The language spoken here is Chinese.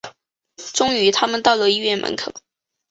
终于他们到了医院门口